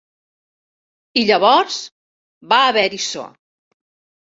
I llavors va haver-hi so.